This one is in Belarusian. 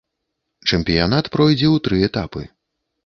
Чэмпіянат пройдзе ў тры этапы.